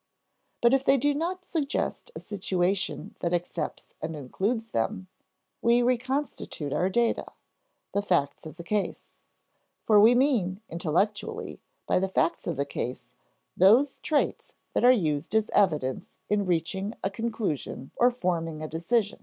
But if they do not suggest a situation that accepts and includes them (see p. 81), we reconstitute our data, the facts of the case; for we mean, intellectually, by the facts of the case those traits that are used as evidence in reaching a conclusion or forming a decision.